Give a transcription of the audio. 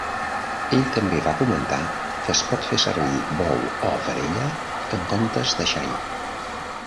Ell també va comentar que es pot fer servir bou o vedella en comptes de xai.